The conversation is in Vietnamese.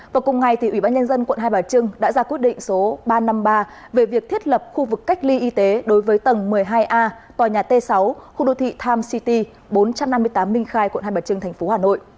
vào cùng ngày ủy ban nhân dân quận hai bà trưng đã ra quyết định số ba trăm năm mươi ba về việc thiết lập khu vực cách ly y tế đối với tầng một mươi hai a tòa nhà t sáu khu đô thị times city bốn trăm năm mươi tám minh khai quận hai bà trưng tp hà nội